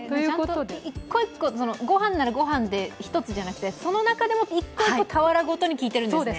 １個１個、ご飯ならご飯で１つじゃなくて、その中でも１個１個、俵ごとに聞いているんですね。